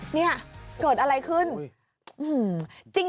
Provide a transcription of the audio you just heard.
เนี่ยเกิดอะไรขึ้น